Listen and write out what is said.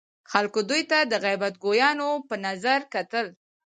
خلکو دوی ته د غیب ګویانو په نظر کتل.